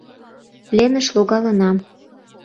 — Пленыш логалынам...